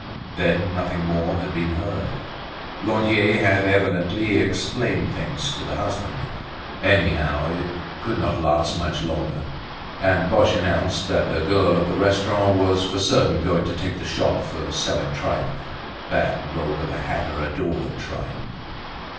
Then nothing more had been heard. Lantier had evidently explained things to the husband. Anyhow, it could not last much longer, and Boche announced that the girl of the restaurant was for certain going to take the shop for selling tripe. That rogue of a hatter adored tripe.